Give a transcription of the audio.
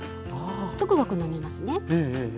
ごくごく飲めますね。